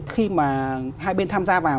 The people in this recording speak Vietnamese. khi mà hai bên tham gia vào